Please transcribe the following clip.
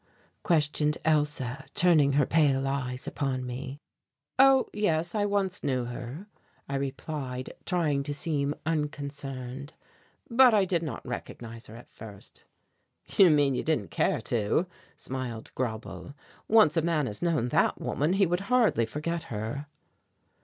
questioned Elsa, turning her pale eyes upon me. "Oh, yes, I once knew her," I replied, trying to seem unconcerned; "but I did not recognize her at first." "You mean you didn't care to," smiled Grauble. "Once a man had known that woman he would hardly forget her."